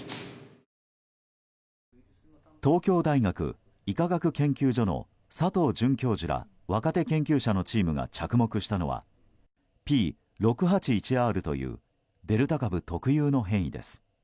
東京大学医科学研究所の佐藤准教授ら若手研究者のチームが着目したのはＰ６８１Ｒというデルタ株特有の変異です。